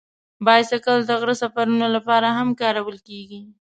بایسکل د غره سفرونو لپاره هم کارول کېږي.